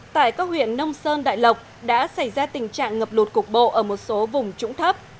tại các huyện nông sơn đại lộc đã xảy ra tình trạng ngập lụt cục bộ ở một số vùng trũng thấp